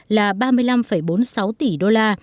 là ba mươi năm bốn mươi sáu tỷ đô la